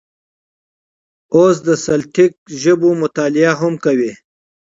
اوس د سلټیک ژبو مطالعه هم کوي.